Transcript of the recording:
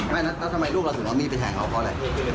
ไม่แล้วทำไมลูกเราถึงเอามีดไปแทงเขาเพราะอะไร